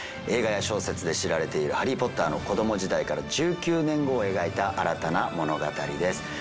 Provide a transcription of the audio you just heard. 映画や小説で知られているハリー・ポッターの子ども時代から１９年後を描いた新たな物語です